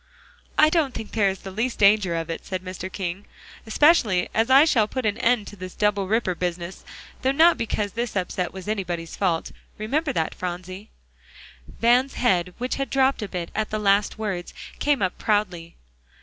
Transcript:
"I don't think there is the least danger of it," said Mr. King, "especially as I shall put an end to this double ripper business, though not because this upset was anybody's fault; remember that, Phronsie." Van's head which had dropped a bit at the last words, came up proudly.